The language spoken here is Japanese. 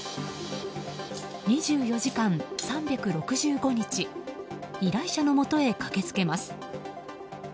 ２４時間３６５日依頼者のもとへ駆けつけます。